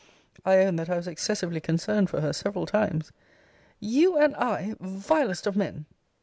I own that I was excessively concerned for her several times. You and I! Vilest of Men!